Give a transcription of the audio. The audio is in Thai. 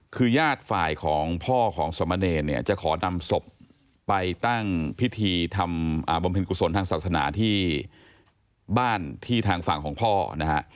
คือญาติฝ่ายของพ่อของสมเนรเนี่ยจะขอนำศพไปตั้งพิธีทำบำเพ็ญกุศลทางศาสนาที่บ้านที่ทางฝั่งของพ่อนะฮะ